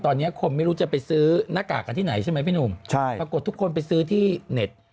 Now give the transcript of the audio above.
ตอนนี้คนไม่รู้จะไปซื้อหน้ากากกันที่ไหนใช่ไหมพี่หนุ่มใช่ปรากฏทุกคนไปซื้อที่เน็ต